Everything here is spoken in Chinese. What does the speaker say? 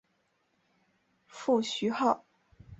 父徐灏。